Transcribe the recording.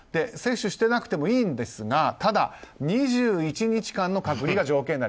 接種していなくてもいいんですがただ、２１日間の隔離が条件。